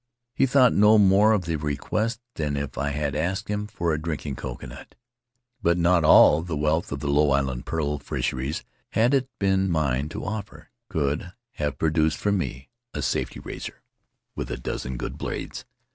He thought no more of the request than if I had asked him for a drinking coconut. But not all the wealth of the Low Island pearl fisheries, had it been mine to offer, could have procured for me a safety razor with a dozen good blades.